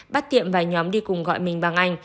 bắt tiệm và nhóm đi cùng gọi mình bằng anh